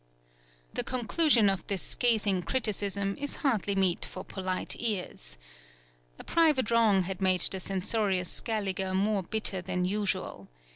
The conclusion of this scathing criticism is hardly meet for polite ears. A private wrong had made the censorious Scaliger more bitter than usual.